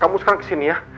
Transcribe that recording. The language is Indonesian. kamu sekarang kesini ya